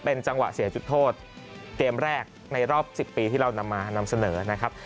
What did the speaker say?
จังหวะเสียจุดโทษเกมแรกในรอบ๑๐ปีที่เรานำมานำเสนอนะครับ